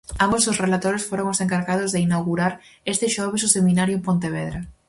Ambos os relatores foron os encargados de inaugurar este xoves o seminario en Pontevedra.